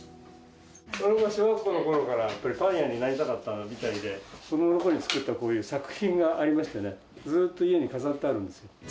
この子は小学校のころからパン屋になりたかったみたいで、子どものころに作ったこういう作品がありましてね、ずーっと家に飾ってあるんですよ。